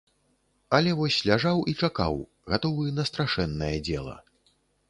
Але вось ляжаў і чакаў, гатовы на страшэннае дзела.